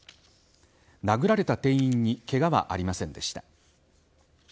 殴られた店員にけがはありませんでした。